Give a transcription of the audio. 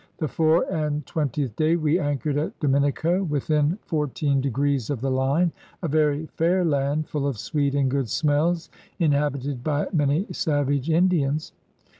The foure and twen tieth day we anchored at DominicOy within fourteene degrees of the line, a yery faire Handy full of sweet and good smells, inhabited by many Savage Indians.